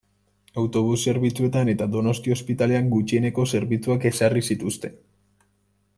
Autobus zerbitzuetan eta Donostia ospitalean gutxieneko zerbitzuak ezarri zituzten.